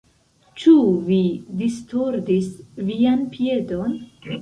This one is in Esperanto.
Ĉu vi distordis vian piedon?